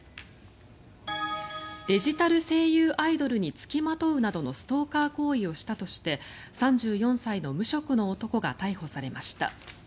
デジタル声優アイドルに付きまとうなどのストーカー行為をしたとして３４歳の無職の男が逮捕されました。